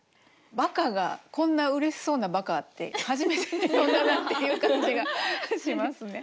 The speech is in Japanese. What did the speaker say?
「ばか」がこんなうれしそうな「ばか」って初めて読んだなっていう感じがしますね。